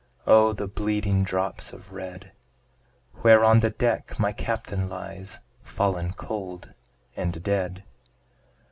O the bleeding drops of red, Where on the deck my Captain lies, Fallen cold and dead.